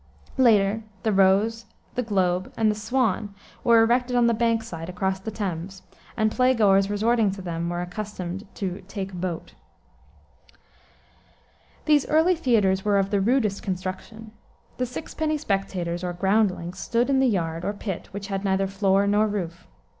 Later the Rose, the Globe, and the Swan, were erected on the Bankside, across the Thames, and play goers resorting to them were accustomed to "take boat." These early theaters were of the rudest construction. The six penny spectators, or "groundlings," stood in the yard, or pit, which had neither floor nor roof.